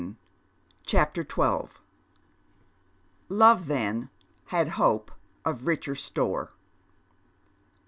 71 CHAPTER XIL LOVE, THEN, HAD HOPK OF RICHEH STORE.